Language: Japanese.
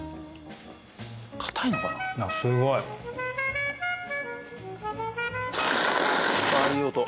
かたいのかなすごいああいい音